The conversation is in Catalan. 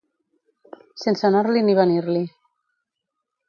Sense anar-l'hi ni venir-l'hi.